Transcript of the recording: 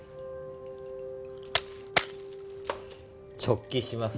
「直帰します。